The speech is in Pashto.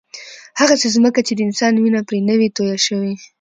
هغسې ځمکه چې د انسان وینه پرې نه وي تویه شوې.